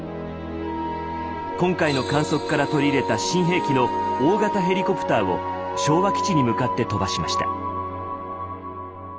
今回の観測から取り入れた新兵器の大型ヘリコプターを昭和基地に向かって飛ばしました。